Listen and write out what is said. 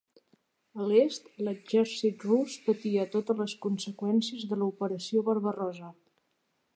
A l'est, l'exèrcit rus patia totes les conseqüències de l'Operació Barbarossa.